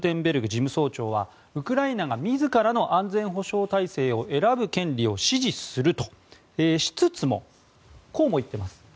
事務総長はウクライナが自らの安全保障体制を選ぶ権利を支持するとしつつもこうも言っています。